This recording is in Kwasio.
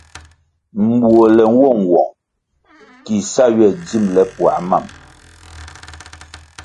Mbuole nwo nwong ki sa ywe dzimbele puah mam.